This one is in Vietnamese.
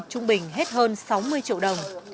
trung bình hết hơn sáu mươi triệu đồng